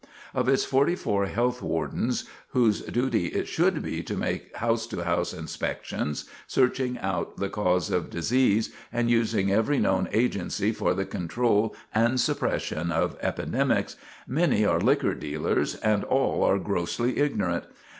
Of its forty four health wardens, whose duty it should be to make house to house inspections, searching out the cause of disease, and using every known agency for the control and suppression of epidemics, many are liquor dealers, and all are grossly ignorant.